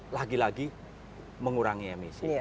lagi lagi mengurangi emisi